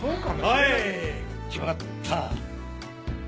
はい決まった。